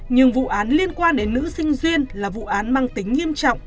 nhưng vụ án liên quan đến nữ sinh là vụ án mang tính nghiêm trọng